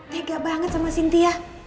tega banget sama sintia